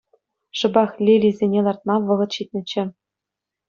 Шӑпах лилисене лартма вӑхӑт ҫитнӗччӗ.